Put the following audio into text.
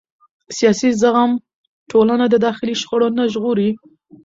سیاسي زغم ټولنه د داخلي شخړو نه ژغوري